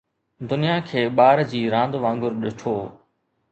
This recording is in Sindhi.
دنيا کي ٻار جي راند وانگر ڏٺو